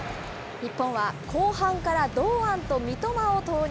日本は後半から堂安と三笘を投入。